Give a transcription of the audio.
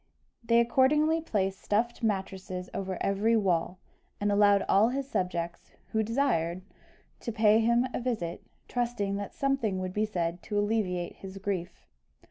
They accordingly placed stuffed mattresses over every wall, and allowed all his subjects, who desired, to pay him a visit, trusting that something would be said to alleviate his grief.